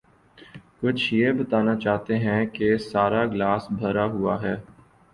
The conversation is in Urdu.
کچھ یہ بتانا چاہتے ہیں کہ سارا گلاس بھرا ہوا ہے۔